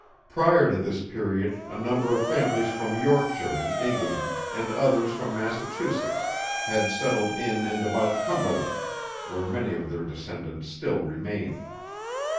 Prior to this period a number of families from Yorkshire in England, and others from Massachusetts, had settled in and about Cumberland, where many of their descendants still remain.